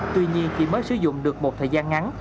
tuy nhiên chỉ mới sử dụng được một thời gian ngắn